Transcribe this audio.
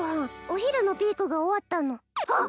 お昼のピークが終わったのはっ！